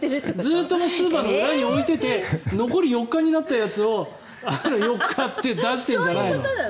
ずっとスーパーの裏に置いてて残り４日になったやつを４日って出してるんじゃないの？